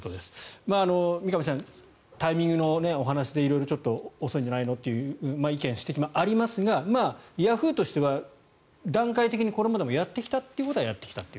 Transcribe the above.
三上さん、タイミングのお話で遅いんじゃないの？という意見、指摘もありますがヤフーとしては段階的にこれまでもやってきたということはやってきたと。